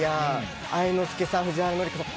愛之助さん、藤原紀香さん。